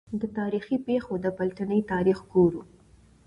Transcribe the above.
د تا ریخي پېښو د پلټني تاریخ ګورو.